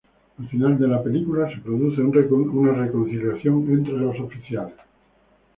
Al final de la película, se produce una reconciliación entre los oficiales.